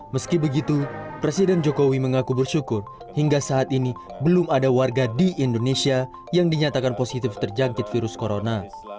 meski begitu presiden jokowi mengaku bersyukur hingga saat ini belum ada warga di indonesia yang dinyatakan positif terjangkit virus corona